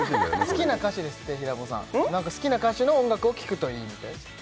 好きな歌手ですって平子さんなんか好きな歌手の音楽を聴くといいみたいですよ